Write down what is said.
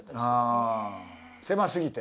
あ狭すぎて。